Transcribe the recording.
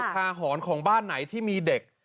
หอนของบ้านไหนที่มีเด็ก